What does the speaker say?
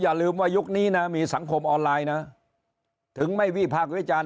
อย่าลืมว่ายุคนี้นะมีสังคมออนไลน์นะถึงไม่วิพากษ์วิจารณ